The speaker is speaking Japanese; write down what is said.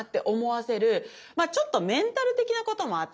まあちょっとメンタル的なこともあっ